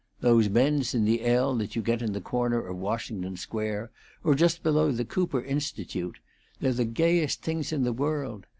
Those bends in the L that you get in the corner of Washington Square, or just below the Cooper Institute they're the gayest things in the world.